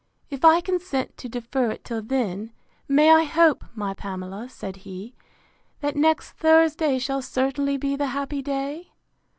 If I consent to defer it till then, may I hope, my Pamela, said he, that next Thursday shall certainly be the happy day?